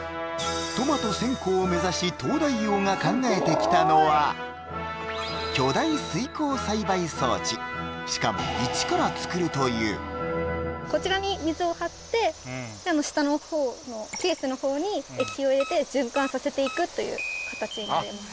トマト１０００個を目指し東大王が考えてきたのはしかも一から作るという下のほうのケースのほうに液を入れて循環させていくという形になります